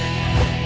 saya yang menang